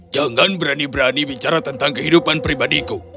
jangan berani berani bicara tentang kehidupan pribadiku